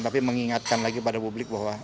tapi mengingatkan lagi pada publik bahwa